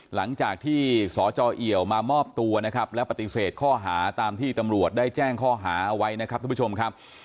หลังจากที่สจเอี่ยวมามอบตัวนะครับและปฏิเสธข้อหาตามที่ตำรวจได้แจ้งข้อหาเอาไว้นะครับทุกผู้ชมครับ